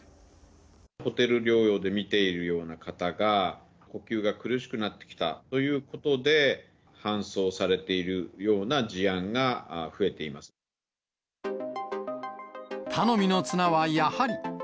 ホテル療養で診ているような方が、呼吸が苦しくなってきたということで、搬送されているよう頼みの綱はやはり。